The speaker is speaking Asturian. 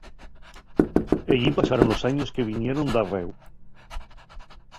Ellí pasaron los años que vinieron darréu.